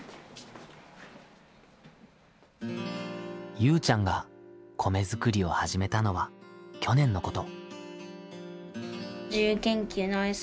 ゆうちゃんが米作りを始めたのは去年のこと。